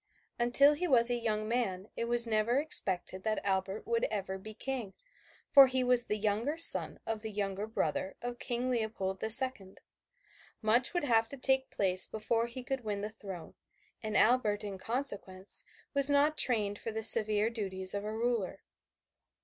Until he was a young man it was never expected that Albert would ever be King, for he was the younger son of the younger brother of King Leopold the Second. Much would have to take place before he could win the throne, and Albert, in consequence, was not trained for the severe duties of a ruler.